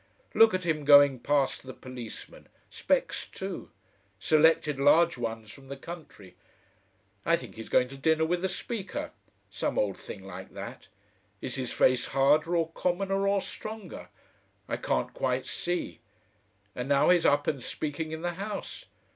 Look at him going past the Policemen, specks too selected large ones from the country. I think he's going to dinner with the Speaker some old thing like that. Is his face harder or commoner or stronger? I can't quite see.... And now he's up and speaking in the House.